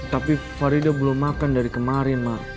tapi farida belum makan dari kemarin mah